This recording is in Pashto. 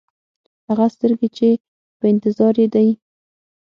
هغه سترګې چې په انتظار یې دی.